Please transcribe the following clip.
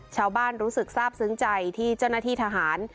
รู้สึกทราบซึ้งใจที่เจ้าหน้าที่ทหาร